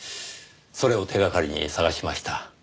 それを手掛かりに捜しました。